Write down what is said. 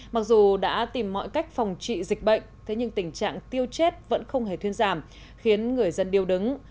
mặc dù đã tìm mọi cách phòng trị dịch bệnh thế nhưng tình trạng tiêu chết vẫn không hề thuyên giảm khiến người dân điêu đứng